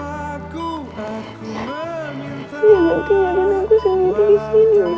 aku akuat melihat kamu seperti ini